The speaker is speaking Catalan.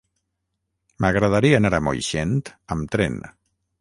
M'agradaria anar a Moixent amb tren.